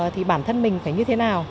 thì bản thân mình phải như thế nào